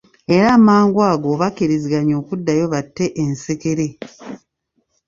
Era amangu ago bakkiriziganya okuddayo batte ensekere.